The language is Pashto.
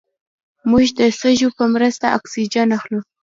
موږ د سږو په مرسته اکسیجن اخلو